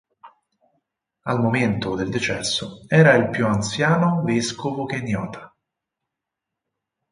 Al momento del decesso era il più anziano vescovo keniota.